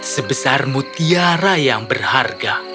sebesar mutiara yang berharga